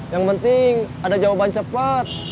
yang penting ada jawaban cepat